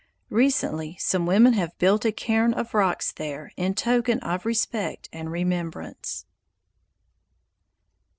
Recently some women have built a cairn of rocks there in token of respect and remembrance.